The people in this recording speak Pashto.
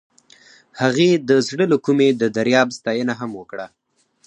هغې د زړه له کومې د دریاب ستاینه هم وکړه.